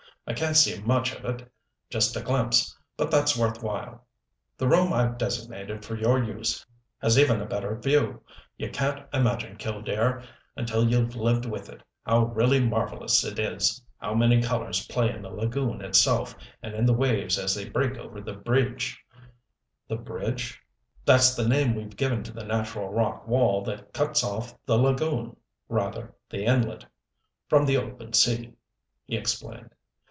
"I can't see much of it just a glimpse but that's worth while. The room I've designated for your use has even a better view. You can't imagine, Killdare, until you've lived with it, how really marvelous it is how many colors play in the lagoon itself, and in the waves as they break over the Bridge " "The Bridge " "That's the name we've given to the natural rock wall that cuts off the lagoon rather, the inlet from the open sea," he explained.